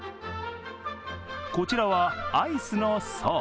こちらは、アイスの爽。